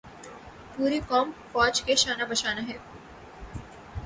پوری قوم فوج کے شانہ بشانہ ہے۔